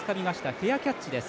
フェアキャッチです。